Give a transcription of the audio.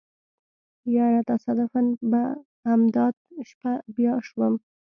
يره تصادفاً په امدا شپه بيا شوم.